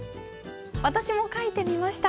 私も書いてみました。